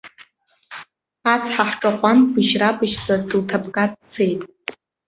Ацҳа ҳҿаҟәан, быжьра-быжьҵәа дылҭабга дцеит.